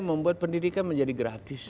membuat pendidikan menjadi gratis